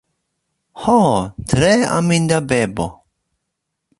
Ho, tre aminda bebo!